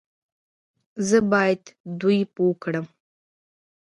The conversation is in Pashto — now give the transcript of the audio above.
زه بايد دوی پوه کړم